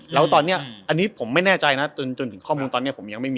แล้วตอนนี้อันนี้ผมไม่แน่ใจนะจนถึงข้อมูลตอนนี้ผมยังไม่มี